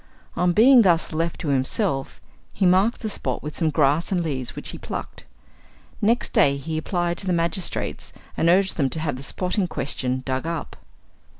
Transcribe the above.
On being thus left to himself, he marked the spot with some grass and leaves which he plucked. Next day he applied to the magistrates, and urged them to have the spot in question dug up.